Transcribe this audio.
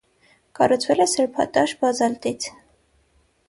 Կառուցվել է սրբատաշ բազալտից։